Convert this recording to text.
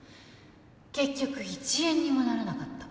結局一円にもならなかった。